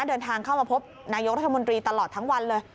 เดินทางเข้ามาพบนายกรัฐมนตรีตลอดทั้งวันเลย